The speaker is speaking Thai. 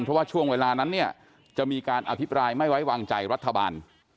เพราะว่าช่วงเวลานั้นเนี่ยจะมีการอภิปรายไม่ไว้วางใจรัฐบาล